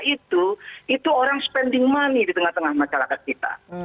itu itu orang spending money di tengah tengah masyarakat kita